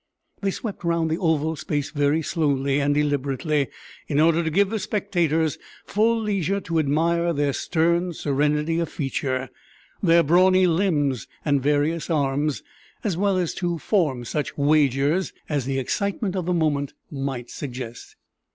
They swept round the oval space very slowly and deliberately, in order to give the spectators full leisure to admire their stern serenity of feature their brawny limbs and various arms, as well as to form such wagers as the excitement of the moment might suggest.